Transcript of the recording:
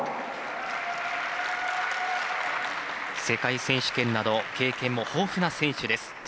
世界選手権など経験も豊富な選手です。